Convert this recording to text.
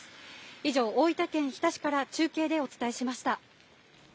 以上、大分県日田市から中継でお伝えしました。